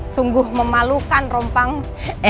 sungguh memalukan rompangmu